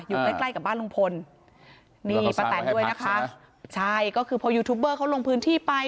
อยู่ใกล้ใกล้กับบ้านลุงพลนี่ป้าแตนด้วยนะคะใช่ก็คือพอยูทูบเบอร์เขาลงพื้นที่ไป